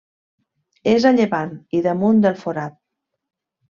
És a llevant i damunt del Forat.